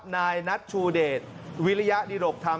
นายนัทชูเดชวิริยดิรกธรรม